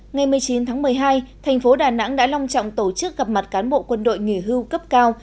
ngày một mươi chín tháng một mươi hai thành phố đà nẵng đã long trọng tổ chức gặp mặt cán bộ quân đội nghỉ hưu cấp cao